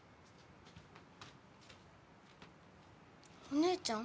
お姉ちゃん？